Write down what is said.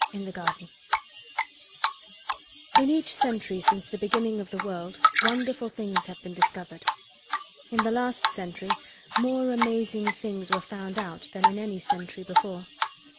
IN THE GARDEN In each century since the beginning of the world wonderful things have been discovered. In the last century more amazing things were found out than in any century before.